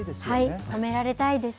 はい、褒められたいです。